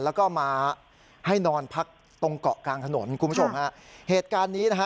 แล้วก็มาให้นอนพักตรงเกาะกลางถนนคุณผู้ชมฮะเหตุการณ์นี้นะฮะ